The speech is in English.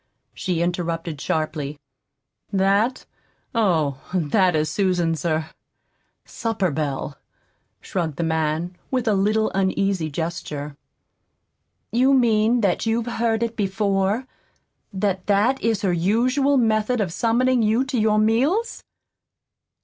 she interrupted sharply. "That? Oh, that is Susan's er supper bell," shrugged the man, with a little uneasy gesture. "You mean that you've heard it before? that that is her usual method of summoning you to your meals?"